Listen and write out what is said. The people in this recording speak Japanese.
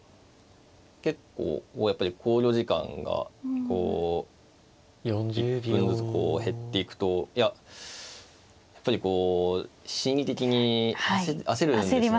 結構やっぱり考慮時間がこう１分ずつ減っていくといややっぱりこう心理的に焦るんですよね。